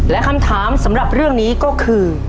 และคำถามสำหรับเรื่องนี้ก็คือ